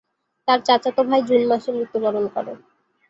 তার চাচাতো ভাই জুন মাসে মৃত্যুবরণ করে।